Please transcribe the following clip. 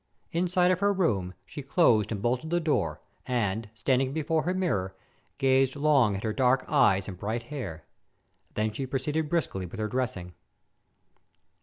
Inside of her room, she closed and bolted the door, and, standing before her mirror, gazed long at her dark eyes and bright hair. Then she proceeded briskly with her dressing.